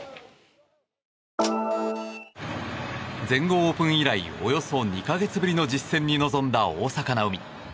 全豪オープン以来およそ２か月ぶりの実戦に臨んだ大坂なおみ。